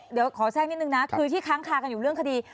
เดี๋ยวขอแทรกนิดนึงนะคือที่ค้างคากันอยู่เรื่องคดี